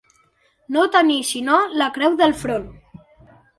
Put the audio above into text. No tenir sinó la creu del front.